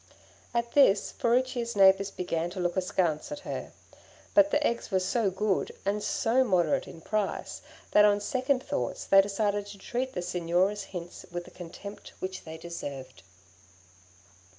At this, Furicchia's neighbours began to look askance at her; but the eggs were so good, and so moderate in price, that on second thoughts they decided to treat the Signora's hints with the contempt which they deserved.